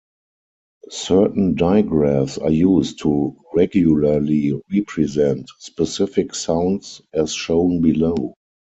Certain digraphs are used to regularly represent specific sounds as shown below.